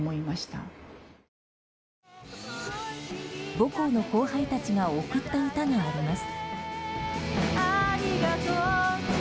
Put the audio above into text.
母校の後輩たちが贈った歌があります。